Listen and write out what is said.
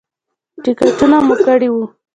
ټکټونه مو کړي وو.